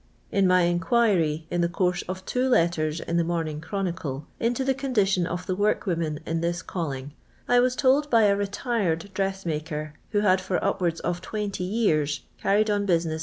In my inquiry ^in the , course of two letters in the Morning Chronicle) into the condition of the workwomen in this call ing, I was told by a retired dressmaker, who had j for upwards of twenty years carried on business